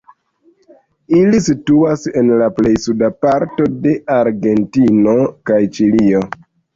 Ili situas en la plej suda parto de Argentino kaj Ĉilio.